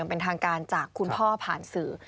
เป็นทางการจากคุณพ่อผ่านสื่อ